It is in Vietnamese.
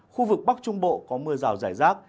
khu vực bắc trung bộ có mưa rào rải rác